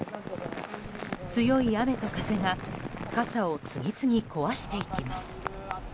強い雨と風は傘を次々壊していきます。